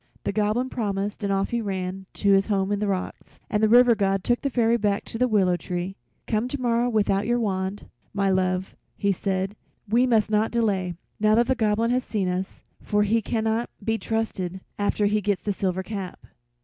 The Goblin promised and off he ran to his home in the rocks, and the River God took the Fairy back to the willow tree. "Come tomorrow without your wand, my love," he said; "we must not delay, now that the Goblin has seen us, for he cannot be trusted after he gets the silver cap."